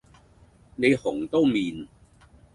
你紅都面